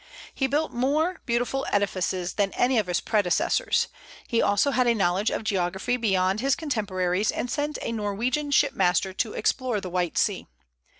He built more beautiful edifices than any of his predecessors. He also had a knowledge of geography beyond his contemporaries, and sent a Norwegian ship master to explore the White Sea.